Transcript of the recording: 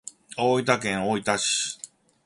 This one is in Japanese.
大分県大分市